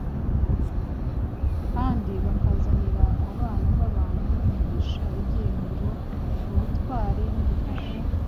kandi bakazanira abana b’abantu umugisha, ibyiringiro, ubutwari n’ubufasha.